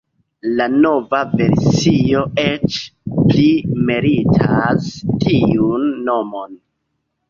La nova versio eĉ pli meritas tiun nomon.